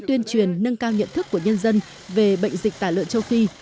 tuyên truyền nâng cao nhận thức của nhân dân về bệnh dịch tả lợn châu phi